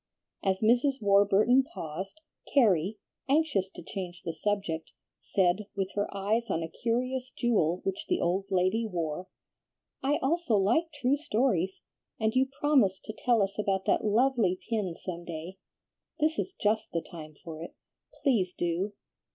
As Mrs. Warburton paused, Carrie, anxious to change the subject, said, with her eyes on a curious jewel which the old lady wore, "I also like true stories, and you promised to tell us about that lovely pin some day. This is just the time for it, please do."